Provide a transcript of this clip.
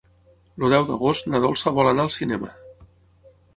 El deu d'agost na Dolça vol anar al cinema.